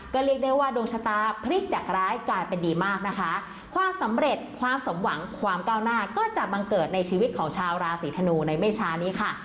ก็เรียกได้ว่าดวงชะตาพลิกจากร้ายกลายเป็นดีมากนะคะความสำเร็จความสมหวังความก้าวหน้าก็จะบังเกิดในชีวิตของชาวราศีธนูในไม่ช้านี้ค่ะ